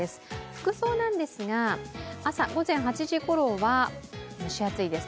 服装なんですが、朝午前８時ごろは蒸し暑いです